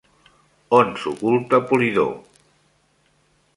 On s'oculta Polidor?